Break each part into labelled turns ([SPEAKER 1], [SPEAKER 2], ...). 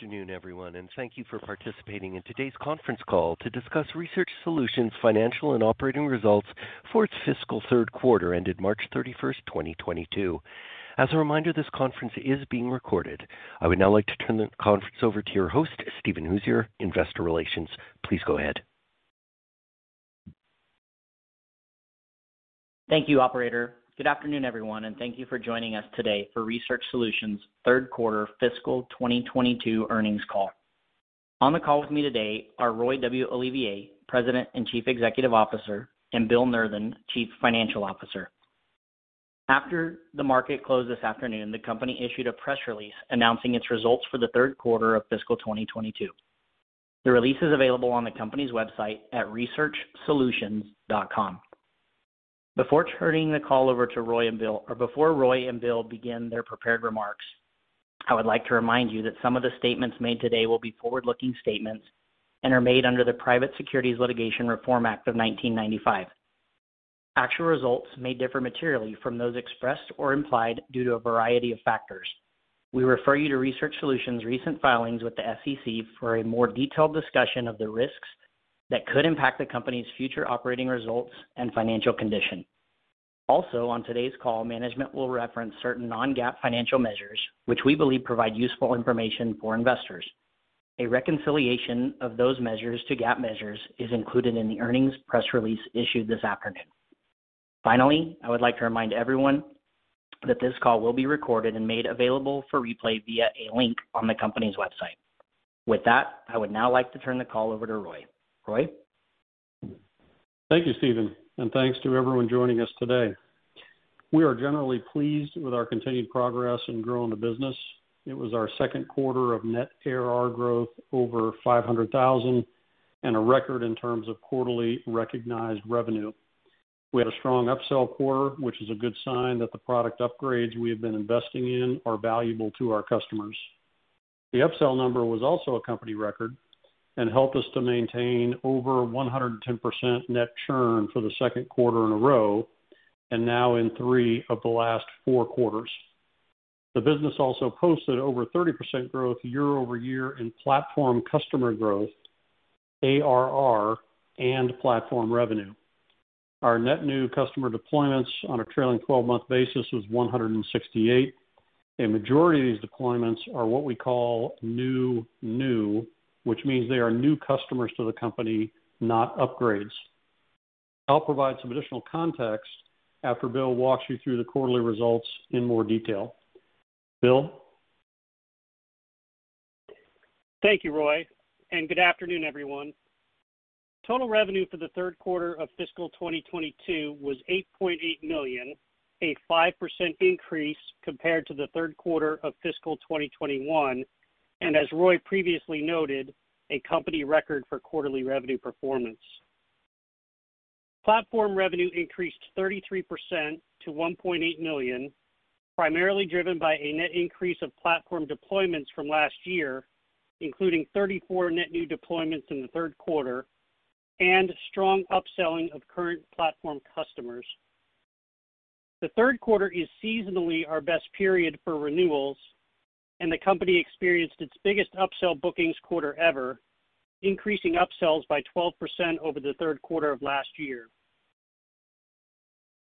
[SPEAKER 1] Good afternoon everyone, and thank you for participating in today's conference call to discuss Research Solutions financial and operating results for its fiscal third quarter ended March 31, 2022. As a reminder, this conference is being recorded. I would now like to turn the conference over to your host, Steven Hooser, Investor Relations. Please go ahead.
[SPEAKER 2] Thank you, operator. Good afternoon, everyone, and thank you for joining us today for Research Solutions third quarter fiscal 2022 earnings call. On the call with me today are Roy W. Olivier, President and Chief Executive Officer, and Bill Nurthen, Chief Financial Officer. After the market closed this afternoon, the company issued a press release announcing its results for the third quarter of fiscal 2022. The release is available on the company's website at researchsolutions.com. Before turning the call over to Roy and Bill or before Roy and Bill begin their prepared remarks, I would like to remind you that some of the statements made today will be forward-looking statements and are made under the Private Securities Litigation Reform Act of 1995. Actual results may differ materially from those expressed or implied due to a variety of factors. We refer you to Research Solutions' recent filings with the SEC for a more detailed discussion of the risks that could impact the company's future operating results and financial condition. Also on today's call, management will reference certain non-GAAP financial measures, which we believe provide useful information for investors. A reconciliation of those measures to GAAP measures is included in the earnings press release issued this afternoon. Finally, I would like to remind everyone that this call will be recorded and made available for replay via a link on the company's website. With that, I would now like to turn the call over to Roy. Roy?
[SPEAKER 3] Thank you, Steven, and thanks to everyone joining us today. We are generally pleased with our continued progress in growing the business. It was our second quarter of net ARR growth over 500,000 and a record in terms of quarterly recognized revenue. We had a strong upsell quarter, which is a good sign that the product upgrades we have been investing in are valuable to our customers. The upsell number was also a company record and helped us to maintain over 110% net churn for the second quarter in a row and now in three of the last four quarters. The business also posted over 30% growth year-over-year in platform customer growth, ARR, and platform revenue. Our net new customer deployments on a trailing twelve-month basis was 168. A majority of these deployments are what we call new, which means they are new customers to the company, not upgrades. I'll provide some additional context after Bill walks you through the quarterly results in more detail. Bill?
[SPEAKER 4] Thank you, Roy, and good afternoon, everyone. Total revenue for the third quarter of fiscal 2022 was $8.8 million, a 5% increase compared to the third quarter of fiscal 2021, and as Roy previously noted, a company record for quarterly revenue performance. Platform revenue increased 33% to $1.8 million, primarily driven by a net increase of platform deployments from last year, including 34 net new deployments in the third quarter and strong upselling of current platform customers. The third quarter is seasonally our best period for renewals, and the company experienced its biggest upsell bookings quarter ever, increasing upsells by 12% over the third quarter of last year.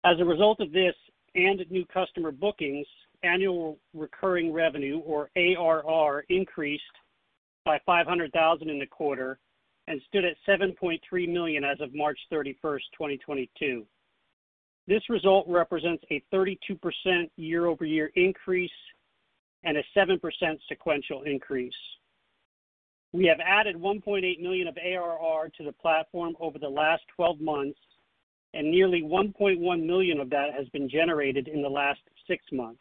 [SPEAKER 4] As a result of this and new customer bookings, annual recurring revenue or ARR increased by $500,000 in the quarter and stood at $7.3 million as of March 31, 2022. This result represents a 32% year-over-year increase and a 7% sequential increase. We have added $1.8 million of ARR to the platform over the last twelve months, and nearly $1.1 million of that has been generated in the last six months.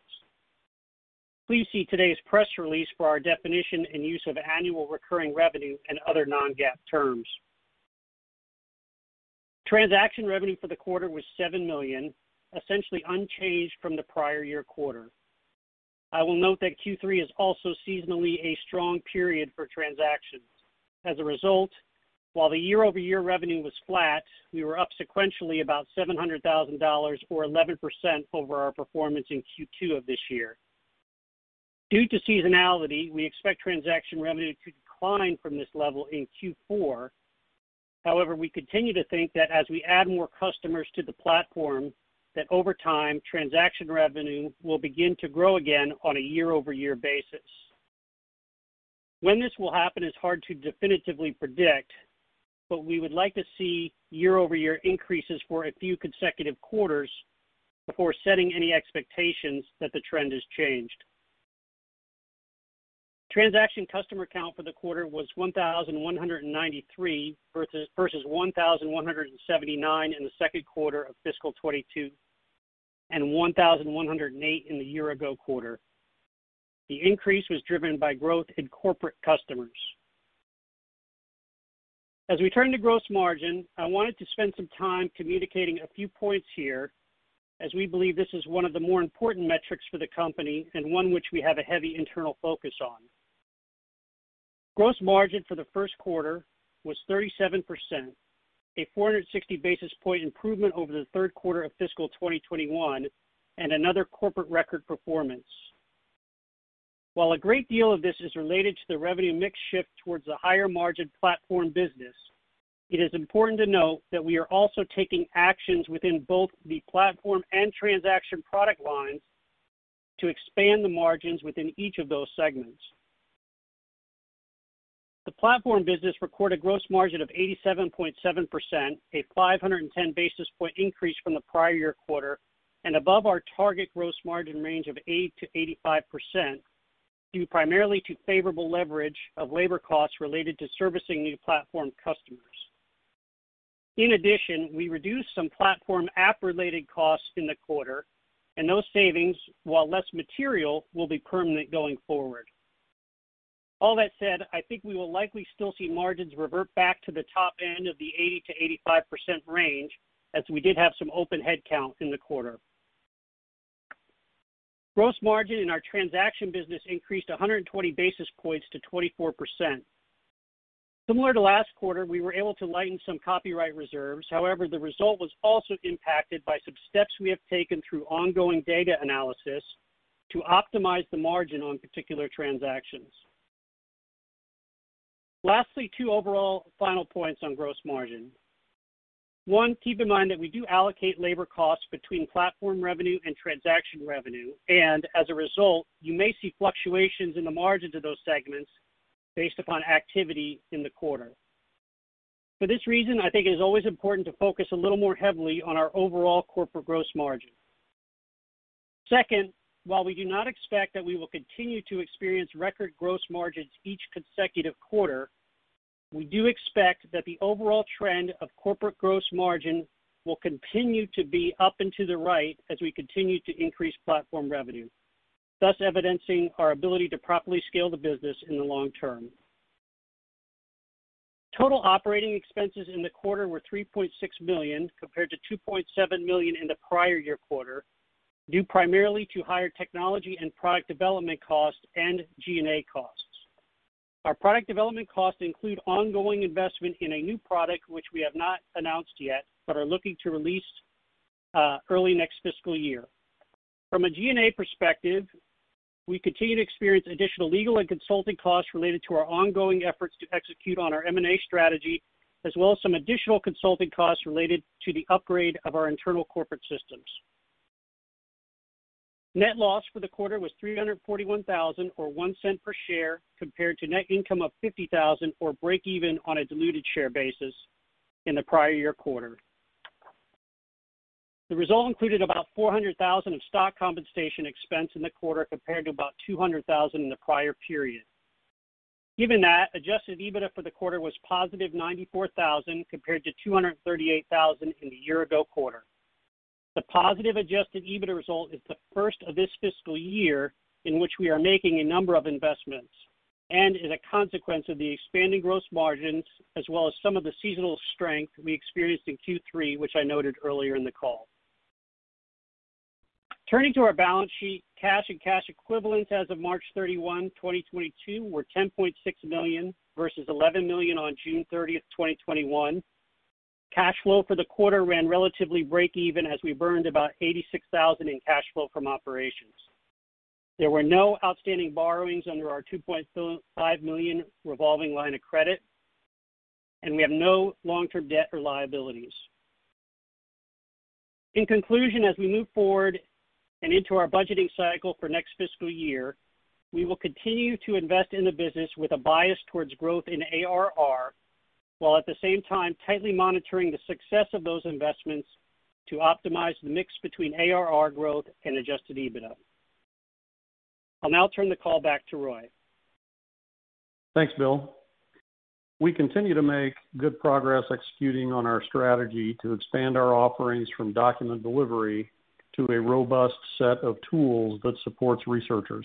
[SPEAKER 4] Please see today's press release for our definition and use of annual recurring revenue and other non-GAAP terms. Transaction revenue for the quarter was $7 million, essentially unchanged from the prior year quarter. I will note that Q3 is also seasonally a strong period for transactions. As a result, while the year-over-year revenue was flat, we were up sequentially about $700,000 or 11% over our performance in Q2 of this year. Due to seasonality, we expect transaction revenue to decline from this level in Q4. However, we continue to think that as we add more customers to the platform, that over time, transaction revenue will begin to grow again on a year-over-year basis. When this will happen is hard to definitively predict, but we would like to see year-over-year increases for a few consecutive quarters before setting any expectations that the trend has changed. Transaction customer count for the quarter was 1,193 versus 1,179 in the second quarter of fiscal 2022 and 1,108 in the year-ago quarter. The increase was driven by growth in corporate customers. As we turn to gross margin, I wanted to spend some time communicating a few points here as we believe this is one of the more important metrics for the company and one which we have a heavy internal focus on. Gross margin for the first quarter was 37%. A 460 basis point improvement over the third quarter of fiscal 2021 and another corporate record performance. While a great deal of this is related to the revenue mix shift towards the higher margin platform business, it is important to note that we are also taking actions within both the platform and transaction product lines to expand the margins within each of those segments. The platform business recorded gross margin of 87.7%, a 510 basis point increase from the prior year quarter, and above our target gross margin range of 80%-85%, due primarily to favorable leverage of labor costs related to servicing new platform customers. In addition, we reduced some platform app-related costs in the quarter, and those savings, while less material, will be permanent going forward. All that said, I think we will likely still see margins revert back to the top end of the 80%-85% range as we did have some open headcount in the quarter. Gross margin in our transaction business increased 120 basis points to 24%. Similar to last quarter, we were able to lighten some copyright reserves. However, the result was also impacted by some steps we have taken through ongoing data analysis to optimize the margin on particular transactions. Lastly, two overall final points on gross margin. One, keep in mind that we do allocate labor costs between platform revenue and transaction revenue, and as a result, you may see fluctuations in the margins of those segments based upon activity in the quarter. For this reason, I think it is always important to focus a little more heavily on our overall corporate gross margin. Second, while we do not expect that we will continue to experience record gross margins each consecutive quarter, we do expect that the overall trend of corporate gross margin will continue to be up and to the right as we continue to increase platform revenue, thus evidencing our ability to properly scale the business in the long term. Total operating expenses in the quarter were $3.6 million, compared to $2.7 million in the prior year quarter, due primarily to higher technology and product development costs and G&A costs. Our product development costs include ongoing investment in a new product, which we have not announced yet, but are looking to release early next fiscal year. From a G&A perspective, we continue to experience additional legal and consulting costs related to our ongoing efforts to execute on our M&A strategy, as well as some additional consulting costs related to the upgrade of our internal corporate systems. Net loss for the quarter was $341,000, or $0.01 per share, compared to net income of $50,000 or breakeven on a diluted share basis in the prior year quarter. The result included about $400,000 of stock compensation expense in the quarter, compared to about $200,000 in the prior period. Given that, Adjusted EBITDA for the quarter was positive $94,000 compared to $238,000 in the year-ago quarter. The positive Adjusted EBITDA result is the first of this fiscal year in which we are making a number of investments and is a consequence of the expanding gross margins as well as some of the seasonal strength we experienced in Q3, which I noted earlier in the call. Turning to our balance sheet, cash and cash equivalents as of March 31, 2022 were $10.6 million versus $11 million on June 30, 2021. Cash flow for the quarter ran relatively breakeven as we burned about $86,000 in cash flow from operations. There were no outstanding borrowings under our $2.5 million revolving line of credit, and we have no long-term debt or liabilities. In conclusion, as we move forward and into our budgeting cycle for next fiscal year, we will continue to invest in the business with a bias towards growth in ARR, while at the same time tightly monitoring the success of those investments to optimize the mix between ARR growth and Adjusted EBITDA. I'll now turn the call back to Roy.
[SPEAKER 3] Thanks, Bill. We continue to make good progress executing on our strategy to expand our offerings from document delivery to a robust set of tools that supports researchers.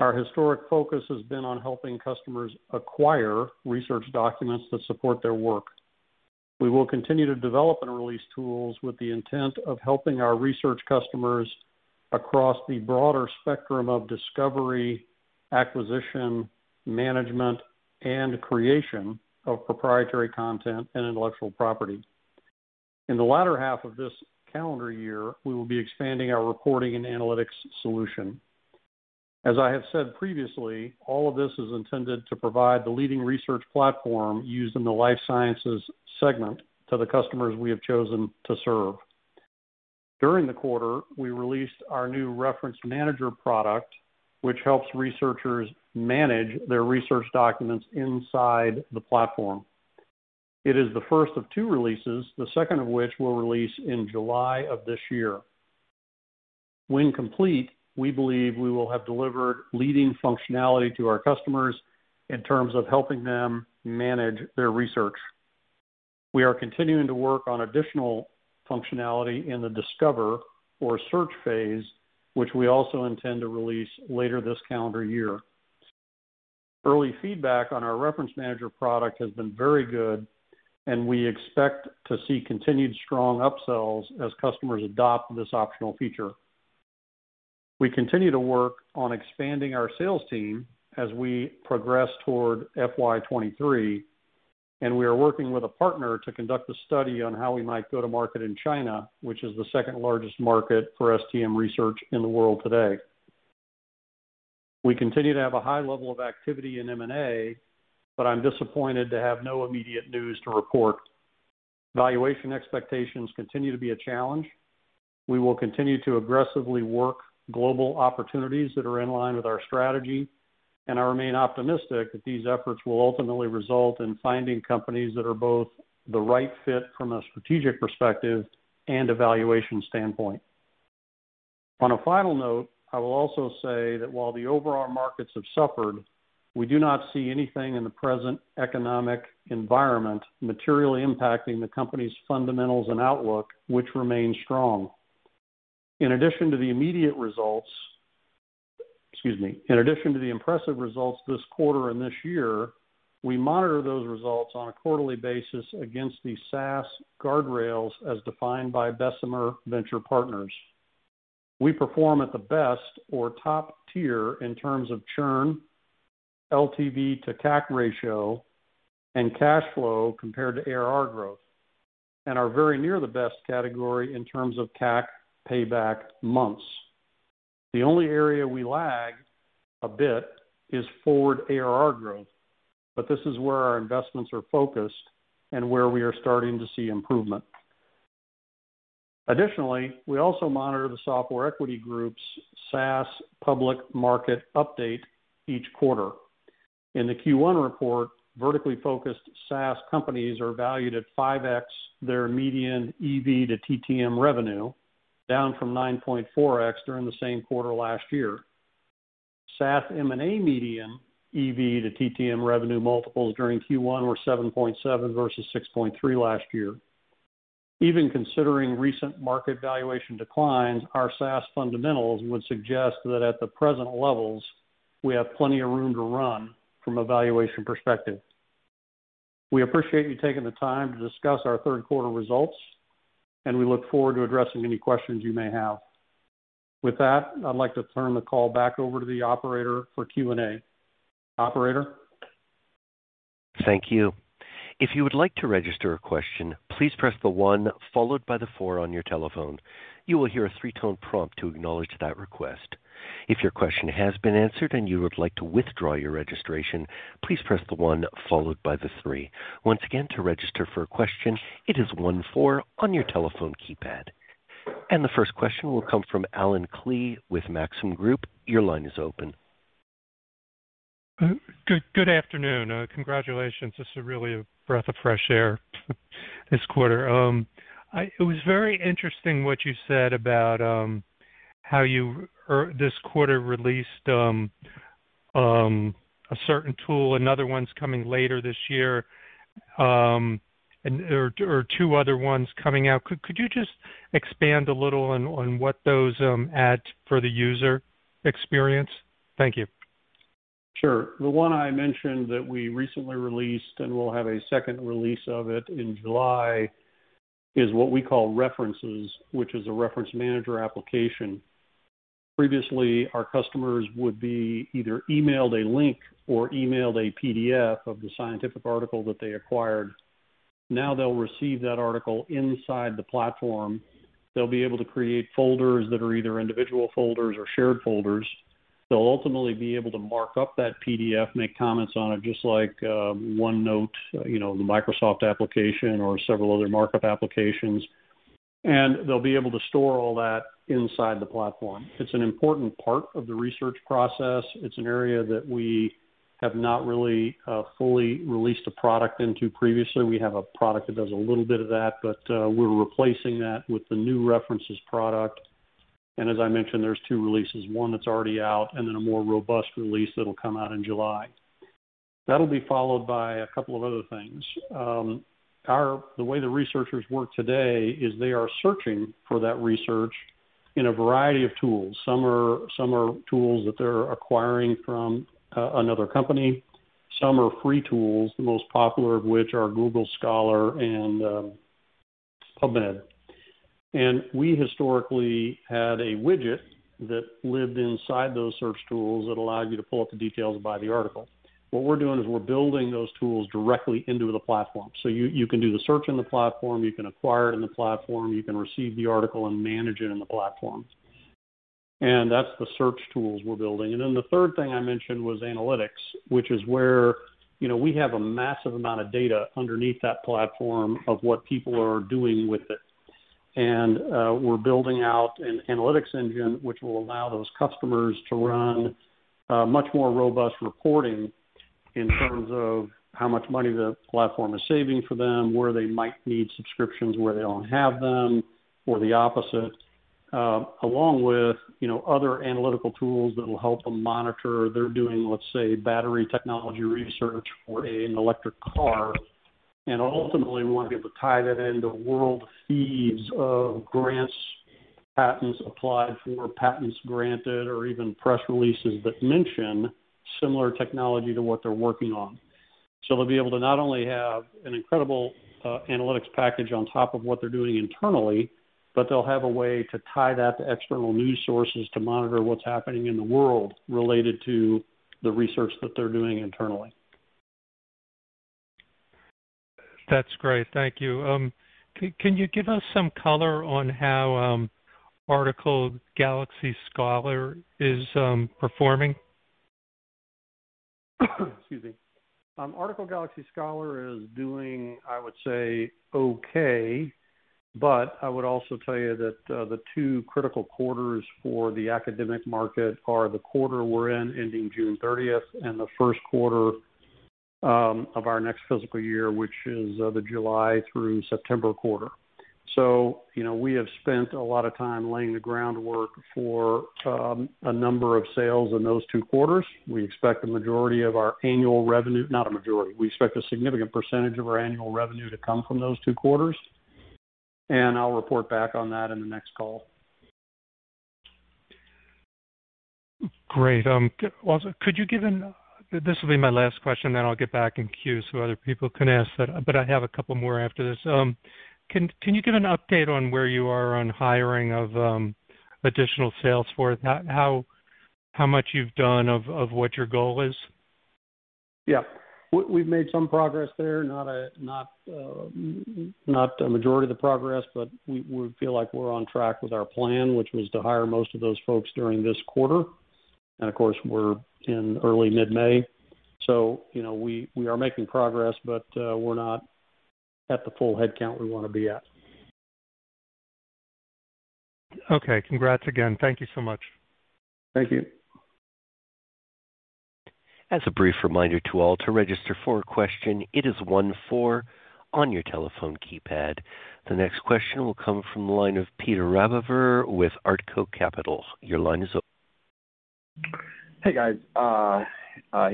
[SPEAKER 3] Our historic focus has been on helping customers acquire research documents that support their work. We will continue to develop and release tools with the intent of helping our research customers across the broader spectrum of discovery, acquisition, management, and creation of proprietary content and intellectual property. In the latter half of this calendar year, we will be expanding our reporting and analytics solution. As I have said previously, all of this is intended to provide the leading research platform used in the life sciences segment to the customers we have chosen to serve. During the quarter, we released our new Article Galaxy References, which helps researchers manage their research documents inside the platform. It is the first of two releases, the second of which we'll release in July of this year. When complete, we believe we will have delivered leading functionality to our customers in terms of helping them manage their research. We are continuing to work on additional functionality in the Discover or Search phase, which we also intend to release later this calendar year. Early feedback on our Article Galaxy References has been very good, and we expect to see continued strong upsells as customers adopt this optional feature. We continue to work on expanding our sales team as we progress toward FY 2023, and we are working with a partner to conduct a study on how we might go to market in China, which is the second largest market for STM research in the world today. We continue to have a high level of activity in M&A, but I'm disappointed to have no immediate news to report. Valuation expectations continue to be a challenge. We will continue to aggressively work global opportunities that are in line with our strategy, and I remain optimistic that these efforts will ultimately result in finding companies that are both the right fit from a strategic perspective and a valuation standpoint. On a final note, I will also say that while the overall markets have suffered, we do not see anything in the present economic environment materially impacting the company's fundamentals and outlook, which remains strong. In addition to the impressive results this quarter and this year, we monitor those results on a quarterly basis against the SaaS guardrails as defined by Bessemer Venture Partners. We perform at the best or top tier in terms of churn, LTV to CAC ratio, and cash flow compared to ARR growth, and are very near the best category in terms of CAC payback months. The only area we lag a bit is forward ARR growth, but this is where our investments are focused and where we are starting to see improvement. Additionally, we also monitor the Software Equity Group's SaaS public market update each quarter. In the Q1 report, vertically focused SaaS companies are valued at 5x their median EV to TTM revenue, down from 9.4x during the same quarter last year. SaaS M&A median EV to TTM revenue multiples during Q1 were 7.7 versus 6.3 last year. Even considering recent market valuation declines, our SaaS fundamentals would suggest that at the present levels, we have plenty of room to run from a valuation perspective. We appreciate you taking the time to discuss our third quarter results, and we look forward to addressing any questions you may have. With that, I'd like to turn the call back over to the operator for Q&A. Operator?
[SPEAKER 1] Thank you. If you would like to register a question, please press the one followed by the four on your telephone. You will hear a three-tone prompt to acknowledge that request. If your question has been answered and you would like to withdraw your registration, please press the one followed by the three. Once again, to register for a question, it is one, four on your telephone keypad. The first question will come from Allen Klee with Maxim Group. Your line is open.
[SPEAKER 5] Good afternoon. Congratulations. This is really a breath of fresh air this quarter. It was very interesting what you said about how you earlier this quarter released a certain tool. Another one's coming later this year, and there are two other ones coming out. Could you just expand a little on what those add for the user experience? Thank you.
[SPEAKER 3] Sure. The one I mentioned that we recently released, and we'll have a second release of it in July, is what we call References, which is a reference manager application. Previously, our customers would be either emailed a link or emailed a PDF of the scientific article that they acquired. Now they'll receive that article inside the platform. They'll be able to create folders that are either individual folders or shared folders. They'll ultimately be able to mark up that PDF, make comments on it, just like, OneNote, you know, the Microsoft application or several other markup applications, and they'll be able to store all that inside the platform. It's an important part of the research process. It's an area that we have not really fully released a product into previously. We have a product that does a little bit of that, but we're replacing that with the new References product. As I mentioned, there's two releases, one that's already out and then a more robust release that'll come out in July. That'll be followed by a couple of other things. The way the researchers work today is they are searching for that research in a variety of tools. Some are tools that they're acquiring from another company. Some are free tools, the most popular of which are Google Scholar and PubMed. We historically had a widget that lived inside those search tools that allowed you to pull up the details by the article. What we're doing is we're building those tools directly into the platform. You can do the search in the platform, you can acquire it in the platform, you can receive the article and manage it in the platform. That's the search tools we're building. The third thing I mentioned was analytics, which is where, you know, we have a massive amount of data underneath that platform of what people are doing with it. We're building out an analytics engine, which will allow those customers to run much more robust reporting in terms of how much money the platform is saving for them, where they might need subscriptions, where they don't have them, or the opposite. Along with, you know, other analytical tools that will help them monitor. They're doing, let's say, battery technology research for an electric car and ultimately want to be able to tie that into world feeds of grants, patents applied for, patents granted, or even press releases that mention similar technology to what they're working on. They'll be able to not only have an incredible analytics package on top of what they're doing internally, but they'll have a way to tie that to external news sources to monitor what's happening in the world related to the research that they're doing internally.
[SPEAKER 5] That's great. Thank you. Can you give us some color on how Article Galaxy Scholar is performing?
[SPEAKER 3] Excuse me. Article Galaxy Scholar is doing, I would say, okay. I would also tell you that the two critical quarters for the academic market are the quarter we're in ending June thirtieth, and the first quarter of our next fiscal year, which is the July through September quarter. You know, we have spent a lot of time laying the groundwork for a number of sales in those two quarters. We expect a significant percentage of our annual revenue to come from those two quarters, and I'll report back on that in the next call.
[SPEAKER 5] Great. Also, this will be my last question, then I'll get back in queue so other people can ask, but I have a couple more after this. Can you give an update on where you are on hiring of additional sales force? How much you've done of what your goal is?
[SPEAKER 3] Yeah. We've made some progress there, not a majority of the progress, but we feel like we're on track with our plan, which was to hire most of those folks during this quarter. Of course, we're in early mid-May. You know, we are making progress, but we're not at the full headcount we wanna be at.
[SPEAKER 5] Okay. Congrats again. Thank you so much.
[SPEAKER 3] Thank you.
[SPEAKER 1] As a brief reminder to all, to register for a question, it is one four on your telephone keypad. The next question will come from the line of Peter Rabover with Artko Capital. Your line is open.
[SPEAKER 6] Hey, guys. I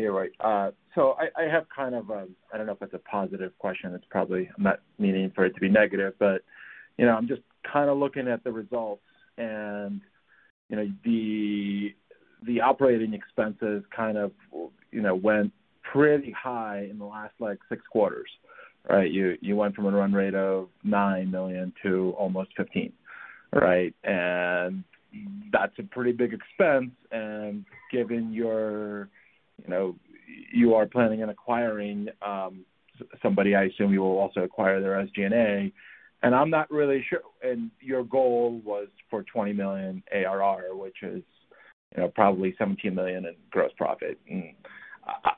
[SPEAKER 6] have kind of a question. I don't know if it's a positive question. It's probably not. I'm not meaning for it to be negative, but you know I'm just kinda looking at the results and you know the operating expenses kind of you know went pretty high in the last like six quarters, right? You went from a run rate of $9 million to almost $15 million, right? That's a pretty big expense, and given your you know you are planning on acquiring somebody. I assume you will also acquire their SG&A. I'm not really sure. Your goal was for $20 million ARR, which is you know probably $17 million in gross profit.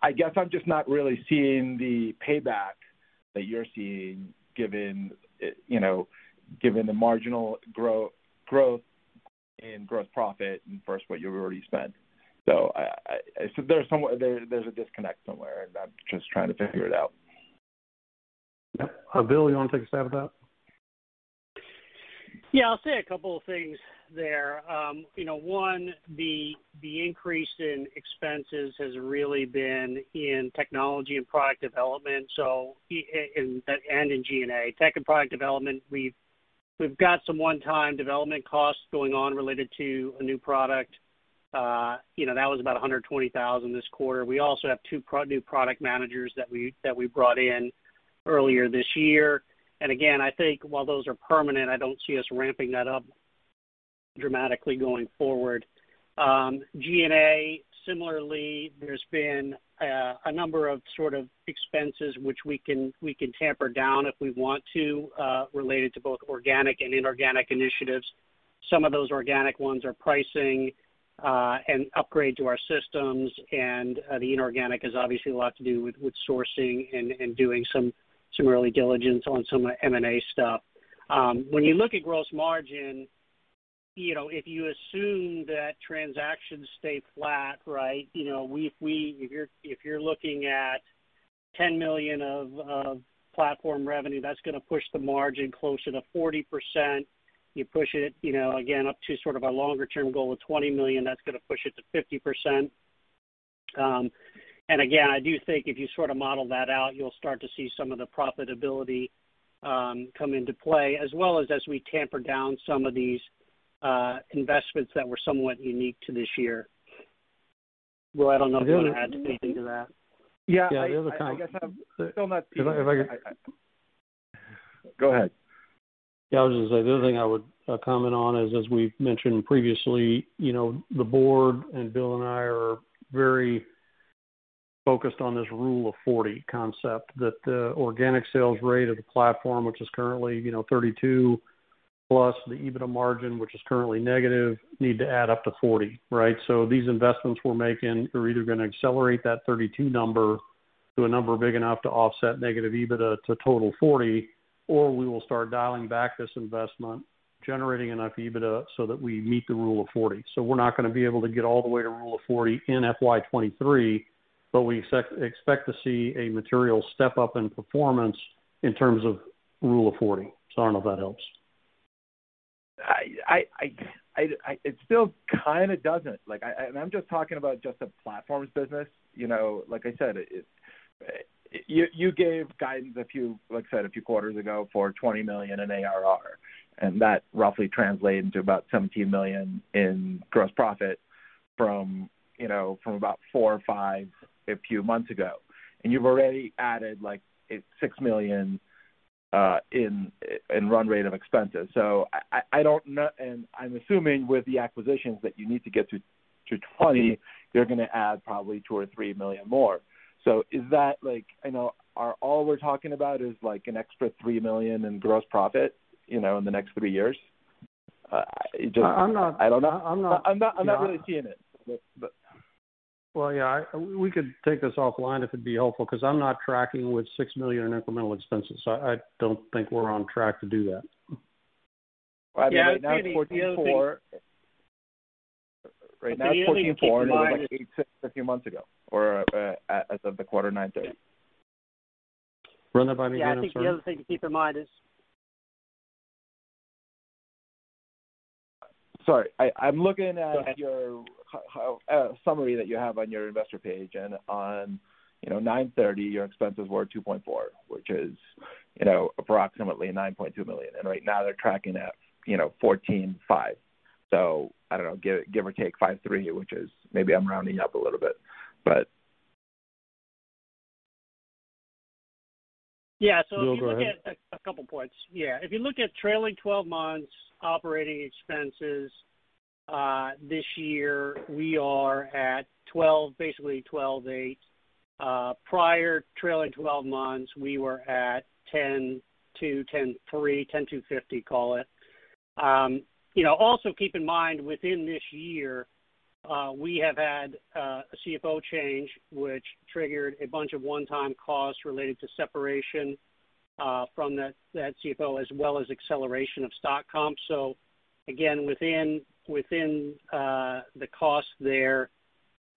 [SPEAKER 6] I guess I'm just not really seeing the payback that you're seeing given, you know, given the marginal growth in gross profit and versus what you've already spent. There's a disconnect somewhere, and I'm just trying to figure it out.
[SPEAKER 3] Yep. Bill, you wanna take a stab at that?
[SPEAKER 4] Yeah. I'll say a couple of things there. You know, one, the increase in expenses has really been in technology and product development, so and in G&A. Tech and product development, we've got some one-time development costs going on related to a new product. You know, that was about $120,000 this quarter. We also have two new product managers that we brought in earlier this year. Again, I think while those are permanent, I don't see us ramping that up dramatically going forward. G&A, similarly, there's been a number of sort of expenses which we can tamper down if we want to, related to both organic and inorganic initiatives. Some of those organic ones are pricing and upgrade to our systems, and the inorganic is obviously a lot to do with sourcing and doing some early diligence on some M&A stuff. When you look at gross margin, you know, if you assume that transactions stay flat, right? You know, if you're looking at $10 million of platform revenue, that's gonna push the margin closer to 40%. You push it, you know, again, up to sort of a longer term goal of $20 million, that's gonna push it to 50%. Again, I do think if you sort of model that out, you'll start to see some of the profitability come into play, as well as we tamp down some of these investments that were somewhat unique to this year.
[SPEAKER 7] Bill, I don't know if you want to add anything to that.
[SPEAKER 4] Yeah. Yeah, the other thing. I guess I'm still not seeing it.
[SPEAKER 3] If I could
[SPEAKER 6] Go ahead.
[SPEAKER 3] Yeah, I was just gonna say, the other thing I would comment on is, as we've mentioned previously, you know, the board and Bill and I are very focused on this Rule of 40 concept that organic sales rate of the platform, which is currently, you know, 32 plus the EBITDA margin, which is currently negative, need to add up to 40, right? These investments we're making are either gonna accelerate that 32 number to a number big enough to offset negative EBITDA to total 40, or we will start dialing back this investment, generating enough EBITDA so that we meet the Rule of 40. We're not gonna be able to get all the way to Rule of 40 in FY 2023, but we expect to see a material step-up in performance in terms of Rule of 40. I don't know if that helps.
[SPEAKER 6] It still kinda doesn't. I'm just talking about just the platforms business. You gave guidance a few quarters ago for $20 million in ARR, and that roughly translated into about $17 million in gross profit from about four or five a few months ago. You've already added $6 million in run rate of expenses. I don't know. I'm assuming with the acquisitions that you need to get to 20, you're gonna add probably $2 or $3 million more. Is that all we're talking about is an extra $3 million in gross profit in the next three years? It just
[SPEAKER 3] I'm not-
[SPEAKER 6] I don't know.
[SPEAKER 3] I'm not.
[SPEAKER 6] I'm not really seeing it, but.
[SPEAKER 3] Well, yeah, we could take this offline if it'd be helpful because I'm not tracking with $6 million in incremental expenses. I don't think we're on track to do that.
[SPEAKER 6] Right. Now it's 14.4. Right now it's 14.4.
[SPEAKER 4] The other thing to keep in mind is.
[SPEAKER 6] A few months ago or as of the quarter 9/30.
[SPEAKER 3] Run that by me again, I'm sorry.
[SPEAKER 4] Yeah. I think the other thing to keep in mind is.
[SPEAKER 6] Sorry. I'm looking at your summary that you have on your investor page. On 9/30, you know, your expenses were $2.4, which is, you know, approximately $9.2 million. Right now they're tracking at, you know, $14.5. I don't know, give or take $5.3, which is maybe I'm rounding up a little bit.
[SPEAKER 4] Yeah. If you look at.
[SPEAKER 3] Go ahead.
[SPEAKER 4] A couple points. Yeah. If you look at trailing twelve months operating expenses, this year we are at $12, basically $12.8 million. Prior trailing twelve months, we were at $10.2 million, $10.3 million, $10.25 million, call it. You know, also keep in mind within this year, we have had a CFO change, which triggered a bunch of one-time costs related to separation from that CFO as well as acceleration of stock comp. So again, within the cost there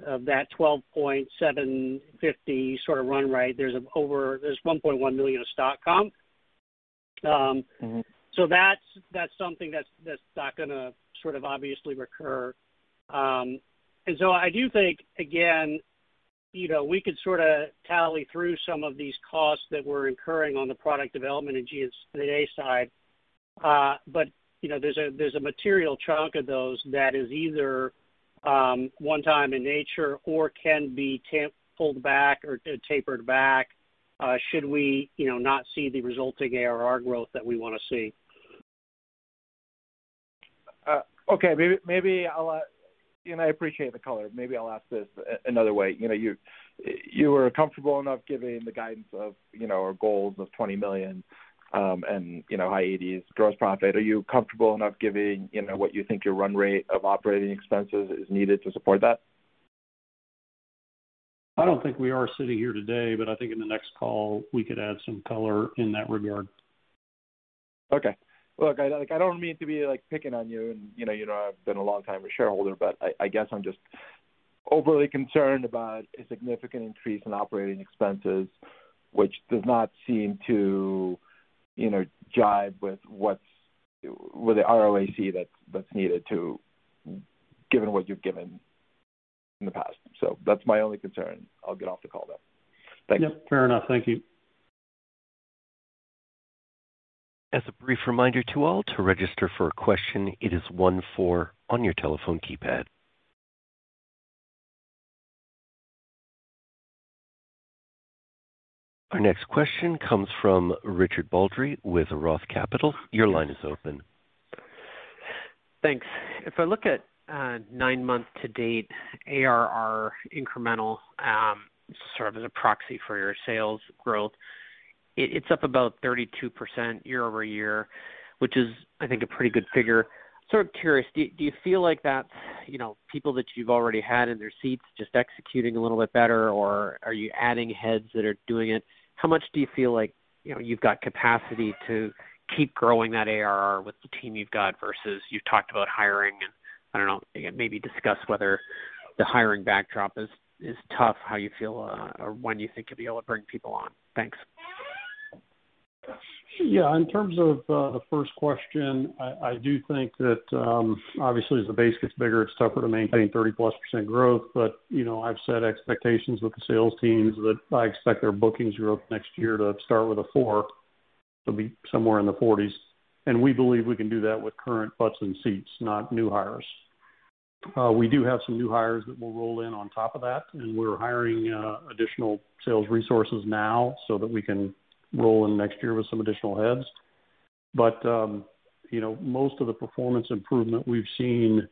[SPEAKER 4] of that $12.75 million sort of run rate, there's $1.1 million of stock comp. So that's something that's not gonna sort of obviously recur. I do think, again, you know, we could sorta tally through some of these costs that we're incurring on the product development and G&A side. you know, there's a material chunk of those that is either one-time in nature or can be pulled back or tapered back, should we you know not see the resulting ARR growth that we wanna see.
[SPEAKER 6] Okay. Maybe I'll ask. I appreciate the color. Maybe I'll ask this another way. You know, you were comfortable enough giving the guidance of, you know, our goals of $20 million and you know, high 80s% gross profit. Are you comfortable enough giving, you know, what you think your run rate of operating expenses is needed to support that?
[SPEAKER 3] I don't think we are sitting here today, but I think in the next call, we could add some color in that regard.
[SPEAKER 6] Okay. Look, I, like, I don't mean to be, like, picking on you and, you know, I've been a longtime shareholder, but I guess I'm just overly concerned about a significant increase in operating expenses, which does not seem to, you know, jibe with what's with the ROC that's needed, given what you've given in the past. That's my only concern. I'll get off the call then. Thanks.
[SPEAKER 3] Yep. Fair enough. Thank you.
[SPEAKER 1] As a brief reminder to all, to register for a question, it is one, four on your telephone keypad. Our next question comes from Richard Baldry with Roth Capital. Your line is open.
[SPEAKER 8] Thanks. If I look at nine-month to-date ARR incremental, sort of as a proxy for your sales growth, it's up about 32% year-over-year, which is, I think, a pretty good figure. Sort of curious, do you feel like that's, you know, people that you've already had in their seats just executing a little bit better? Or are you adding heads that are doing it? How much do you feel like, you know, you've got capacity to keep growing that ARR with the team you've got versus you've talked about hiring and, I don't know, maybe discuss whether the hiring backdrop is tough, how you feel, or when you think you'll be able to bring people on. Thanks.
[SPEAKER 3] Yeah. In terms of the first question, I do think that obviously as the base gets bigger, it's tougher to maintain 30%+ growth. You know, I've set expectations with the sales teams that I expect their bookings growth next year to start with a four. It'll be somewhere in the 40s. We believe we can do that with current butts in seats, not new hires. We do have some new hires that will roll in on top of that, and we're hiring additional sales resources now so that we can roll in next year with some additional heads. You know, most of the performance improvement we've seen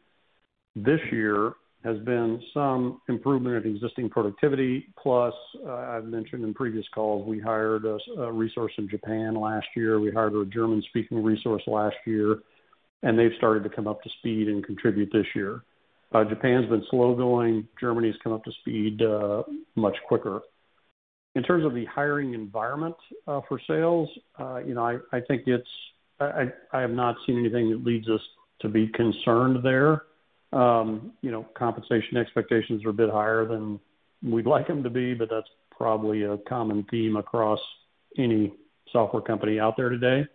[SPEAKER 3] this year has been some improvement of existing productivity. I've mentioned in previous calls, we hired a resource in Japan last year, we hired a German-speaking resource last year, and they've started to come up to speed and contribute this year. Japan's been slow going. Germany's come up to speed much quicker. In terms of the hiring environment for sales, you know, I have not seen anything that leads us to be concerned there. You know, compensation expectations are a bit higher than we'd like them to be, but that's probably a common theme across any software company out there today.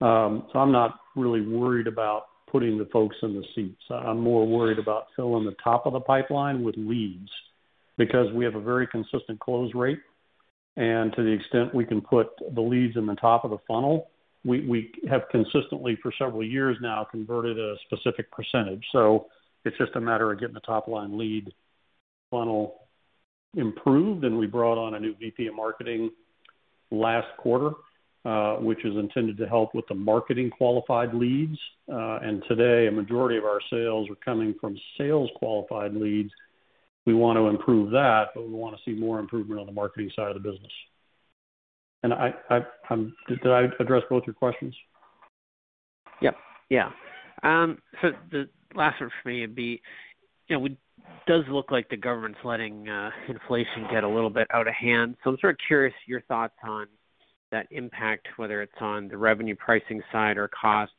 [SPEAKER 3] I'm not really worried about putting the folks in the seats. I'm more worried about filling the top of the pipeline with leads because we have a very consistent close rate. To the extent we can put the leads in the top of the funnel, we have consistently for several years now converted a specific percentage. It's just a matter of getting the top of the lead funnel improved and we brought on a new VP of marketing last quarter, which is intended to help with the marketing qualified leads. Today a majority of our sales are coming from sales qualified leads. We want to improve that, but we wanna see more improvement on the marketing side of the business. Did I address both your questions?
[SPEAKER 8] Yep. Yeah. The last one for me would be, you know, it does look like the government's letting inflation get a little bit out of hand. I'm sort of curious your thoughts on that impact, whether it's on the revenue pricing side or costs.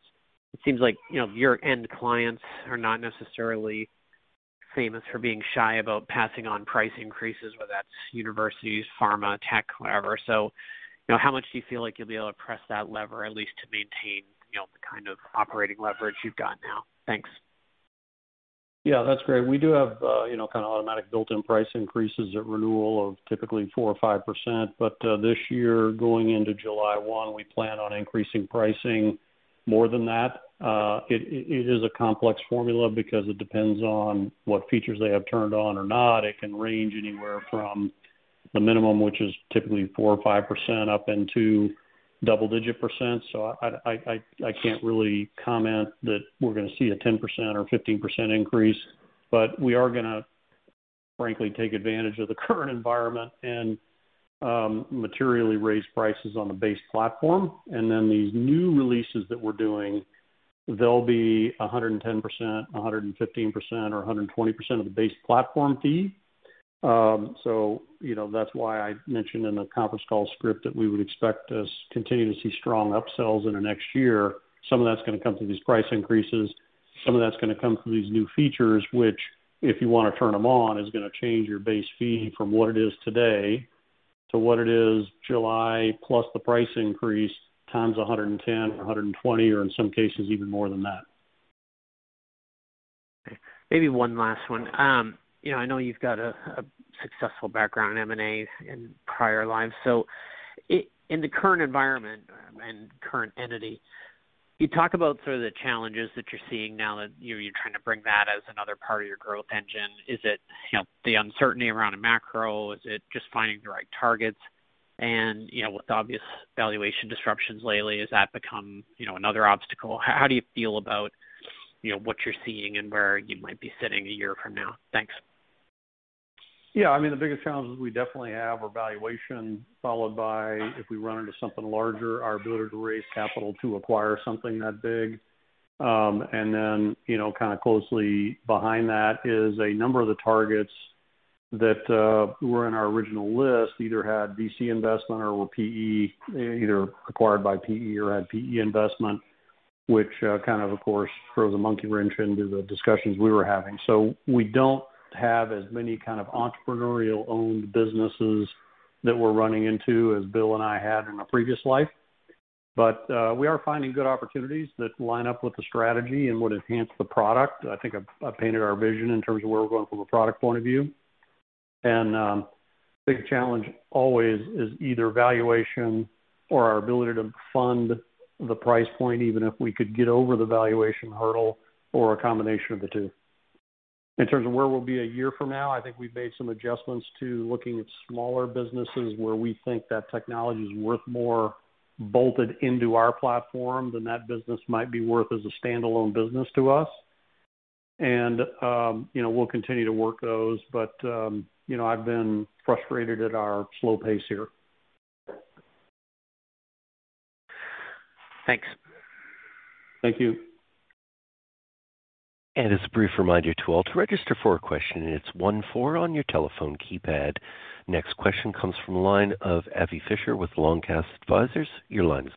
[SPEAKER 8] It seems like, you know, your end clients are not necessarily famous for being shy about passing on price increases, whether that's universities, pharma, tech, whatever. You know, how much do you feel like you'll be able to press that lever at least to maintain, you know, the kind of operating leverage you've got now? Thanks.
[SPEAKER 3] Yeah. That's great. We do have, you know, kind of automatic built-in price increases at renewal of typically 4% or 5%, but this year, going into July 1, we plan on increasing pricing more than that. It is a complex formula because it depends on what features they have turned on or not. It can range anywhere from the minimum, which is typically 4% or 5% up into double digit percent. So I can't really comment that we're gonna see a 10% or 15% increase. But we are gonna frankly take advantage of the current environment and materially raise prices on the base platform. Then these new releases that we're doing, they'll be 110%, 115%, or 120% of the base platform fee. You know, that's why I mentioned in the conference call script that we would expect to continue to see strong upsells in the next year. Some of that's gonna come through these price increases. Some of that's gonna come through these new features, which if you wanna turn them on, is gonna change your base fee from what it is today to what it is in July, plus the price increase times 110 or 120 or in some cases even more than that.
[SPEAKER 8] Maybe one last one. You know, I know you've got a successful background in M&A in prior lives. In the current environment and current entity, you talk about sort of the challenges that you're seeing now that, you know, you're trying to bring that as another part of your growth engine. Is it, you know, the uncertainty around a macro? Is it just finding the right targets? With the obvious valuation disruptions lately, has that become, you know, another obstacle? How do you feel about, you know, what you're seeing and where you might be sitting a year from now? Thanks.
[SPEAKER 3] Yeah. I mean, the biggest challenges we definitely have are valuation, followed by if we run into something larger, our ability to raise capital to acquire something that big. You know, kind of closely behind that is a number of the targets that were in our original list either had VC investment or were PE, either acquired by PE or had PE investment, which kind of course, throws a monkey wrench into the discussions we were having. We don't have as many kind of entrepreneurial-owned businesses that we're running into as Bill and I had in my previous life. We are finding good opportunities that line up with the strategy and would enhance the product. I think I've painted our vision in terms of where we're going from a product point of view. Big challenge always is either valuation or our ability to fund the price point, even if we could get over the valuation hurdle or a combination of the two. In terms of where we'll be a year from now, I think we've made some adjustments to looking at smaller businesses where we think that technology is worth more bolted into our platform than that business might be worth as a standalone business to us. You know, we'll continue to work those. You know, I've been frustrated at our slow pace here.
[SPEAKER 8] Thanks.
[SPEAKER 3] Thank you.
[SPEAKER 1] As a brief reminder to all, to register for a question, it's one, four on your telephone keypad. Next question comes from the line of Avi Fisher with Long Cast Advisors. Your line is-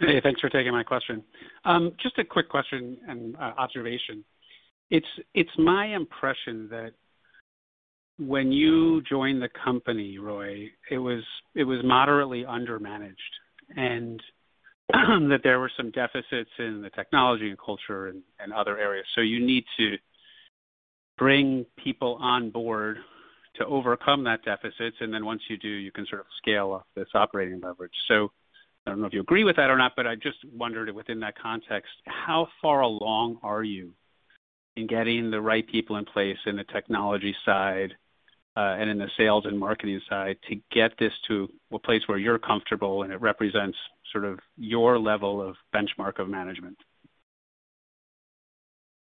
[SPEAKER 9] Hey, thanks for taking my question. Just a quick question and observation. It's my impression that when you joined the company, Roy, it was moderately undermanaged and that there were some deficits in the technology and culture and other areas. You need to bring people on board to overcome that deficits, and then once you do, you can sort of scale up this operating leverage. I don't know if you agree with that or not, but I just wondered within that context, how far along are you in getting the right people in place in the technology side and in the sales and marketing side to get this to a place where you're comfortable and it represents sort of your level of benchmark of management?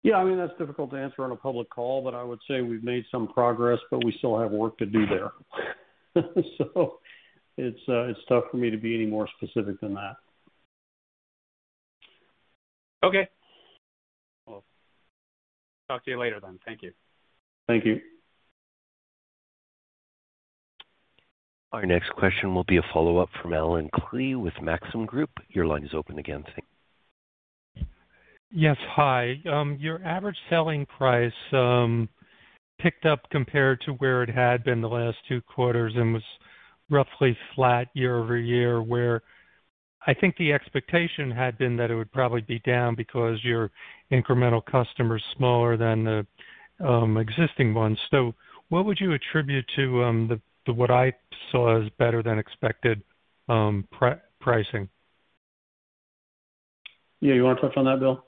[SPEAKER 3] Yeah, I mean, that's difficult to answer on a public call, but I would say we've made some progress, but we still have work to do there. It's tough for me to be any more specific than that.
[SPEAKER 9] Okay. Well, talk to you later then. Thank you.
[SPEAKER 3] Thank you.
[SPEAKER 1] Our next question will be a follow-up from Allen Klee with Maxim Group. Your line is open again.
[SPEAKER 5] Yes, hi. Your average selling price picked up compared to where it had been the last two quarters and was roughly flat year-over-year, where I think the expectation had been that it would probably be down because your incremental customer is smaller than the existing ones. What would you attribute to what I saw as better than expected pricing?
[SPEAKER 3] Yeah. You wanna touch on that, Bill?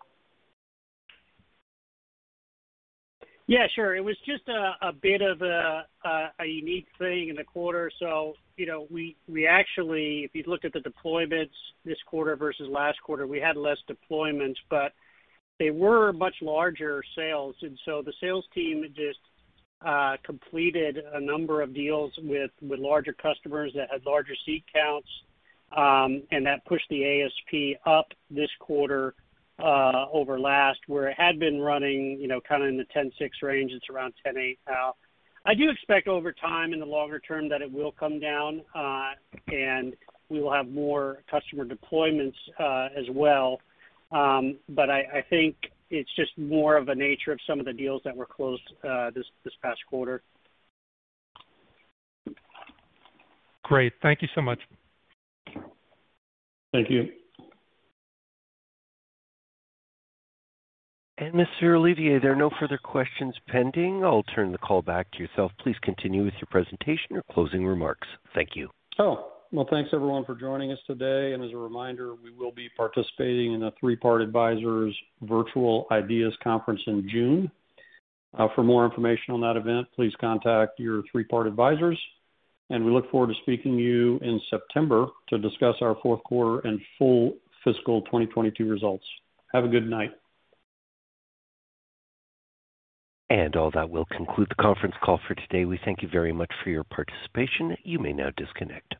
[SPEAKER 4] Yeah, sure. It was just a bit of a unique thing in the quarter. You know, we actually, if you look at the deployments this quarter versus last quarter, we had less deployments, but they were much larger sales. The sales team just completed a number of deals with larger customers that had larger seat counts, and that pushed the ASP up this quarter over last, where it had been running, you know, kinda in the $10.6 range. It's around $10.8 now. I do expect over time in the longer term that it will come down, and we will have more customer deployments as well. I think it's just more of a nature of some of the deals that were closed this past quarter.
[SPEAKER 5] Great. Thank you so much.
[SPEAKER 3] Thank you.
[SPEAKER 1] Mr. Olivier, there are no further questions pending. I'll turn the call back to yourself. Please continue with your presentation or closing remarks. Thank you.
[SPEAKER 3] Thanks everyone for joining us today. As a reminder, we will be participating in the Three Part Advisors Virtual IDEAS Conference in June. For more information on that event, please contact your Three Part Advisors, and we look forward to speaking to you in September to discuss our fourth quarter and full fiscal 2022 results. Have a good night.
[SPEAKER 1] All that will conclude the conference call for today. We thank you very much for your participation. You may now disconnect.